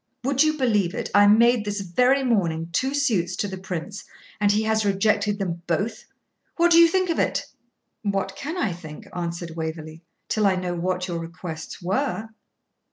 Would you believe it, I made this very morning two suits to the Prince, and he has rejected them both; what do you think of it?' 'What can I think,' answered Waverley, 'till I know what your requests were?'